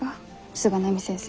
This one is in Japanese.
菅波先生